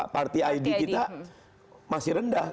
party id kita masih rendah